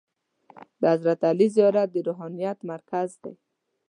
د حضرت علي زیارت د روحانیت مرکز دی.